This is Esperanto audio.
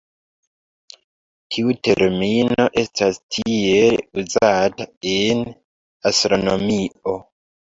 Tiu termino estas tiele uzata en astronomio.